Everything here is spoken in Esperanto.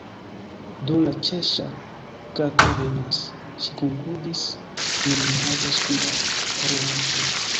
"Do, la Ĉeŝŝa_ Kato venas," ŝi konkludis, "nun mi havos kunparolanton."